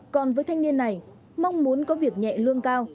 còn với thanh niên này mong muốn có việc nhẹ lương cao